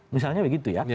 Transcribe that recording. misalnya begitu ya